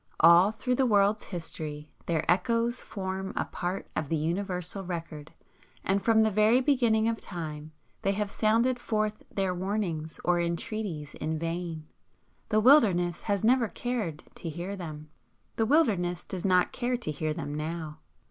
All through the world's history their echoes form a part of the universal record, and from the very beginning of time they have sounded forth their warnings or entreaties in vain. The Wilderness has never cared to hear them. The Wilderness does not care to hear them now.